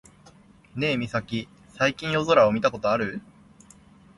ねえミサキ、最近夜空を見たことある？